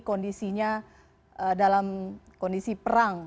kondisinya dalam kondisi perang